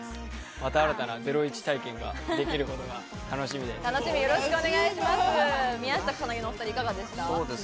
また新たなゼロイチ体験ができることが楽しみです。